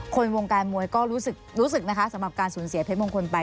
คนวงการมวยก็รู้สึกนะคะสำหรับการสูญเสียเพชรมงคลไป